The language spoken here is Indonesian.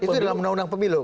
itu dalam undang undang pemilu